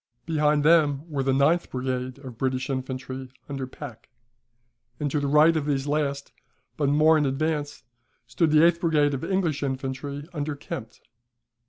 Behind them were the ninth brigade of British infantry under Pack; and to the right of these last, but more in advance, stood the eighth brigade of English infantry under Kempt.